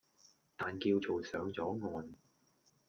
但叫做上咗岸